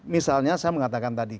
misalnya saya mengatakan tadi